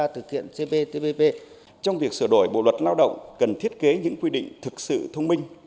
trong việc sửa đổi bộ luật lao động cần thiết kế những quy định thực sự thông minh